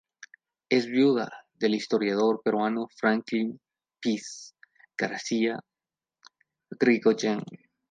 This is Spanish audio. Es viuda del historiador peruano Franklin Pease García Yrigoyen.